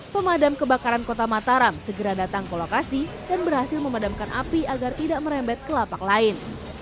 pemadam kebakaran kota mataram segera datang ke lokasi dan berhasil memadamkan api agar tidak merembet ke lapak lain